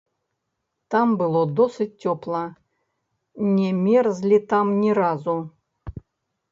Там было досыць цёпла, не мерзлі там ні разу.